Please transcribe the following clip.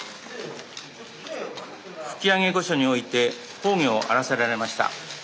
吹上御所において崩御あらせられました。